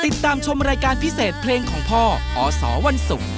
ติดตามชมรายการพิเศษเพลงของพ่ออสวันศุกร์